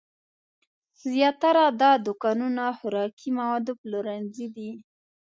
زیاتره دا دوکانونه خوراکي مواد پلورنځي دي.